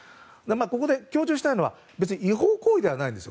ここで強調したいのは別に違法行為ではないんです。